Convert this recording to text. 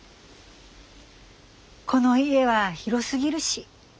この家は広すぎるし。